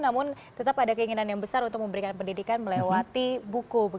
namun tetap ada keinginan yang besar untuk memberikan pendidikan melewati buku